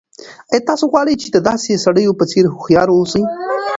آیا تاسو غواړئ چې د داسې سړیو په څېر هوښیار اوسئ؟